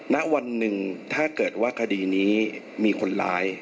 ณวันหนึ่งถ้าเกิดว่าคดีนี้มีคนร้าย